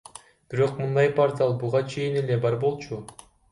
Бирок мындай портал буга чейин эле бар болчу.